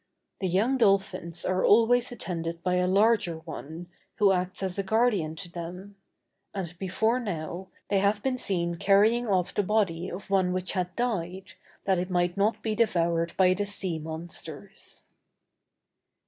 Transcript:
The young dolphins are always attended by a larger one, who acts as a guardian to them; and before now, they have been seen carrying off the body of one which had died, that it might not be devoured by the sea monsters. CHAPTER V. THE VARIOUS KINDS OF TURTLES.